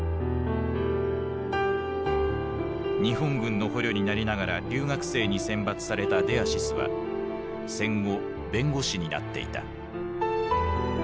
日本軍の捕虜になりながら留学生に選抜されたデアシスは戦後弁護士になっていた。